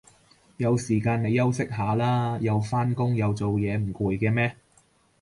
有時間你休息下啦，又返工又做嘢唔攰嘅咩